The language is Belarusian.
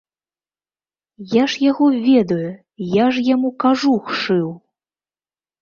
Я ж яго ведаю, я ж яму кажух шыў!